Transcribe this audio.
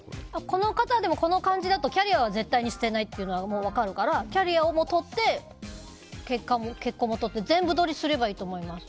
この方、この感じだとキャリアは絶対捨てないのは分かるからキャリアを取って結婚も取って全部取りすればいいと思います。